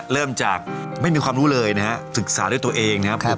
เริ่มจากไม่มีความรู้เลยนะฮะศึกษาด้วยตัวเองนะครับ